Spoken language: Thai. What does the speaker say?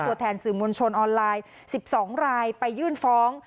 ตัวแทนสื่อมวลชนออนไลน์๑๒รายไปยื่นฟ้อง